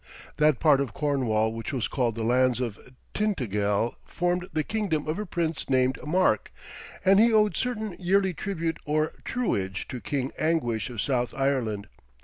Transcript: That part of Cornwall which was called the lands of Tintagel formed the kingdom of a prince named Mark, and he owed certain yearly tribute or truage to King Anguish of South Ireland.